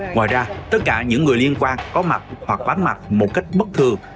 ngoài ra tất cả những người liên quan có mặt hoặc bán mặt một cách bất thường